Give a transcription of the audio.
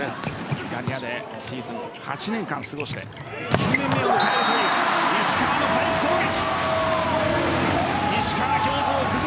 イタリアでシーズンを８年間過ごして９年目を迎えるという石川のパイプ攻撃。